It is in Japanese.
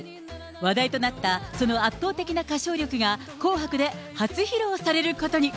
話題となったその圧倒的な歌唱力が、紅白で初披露されることに。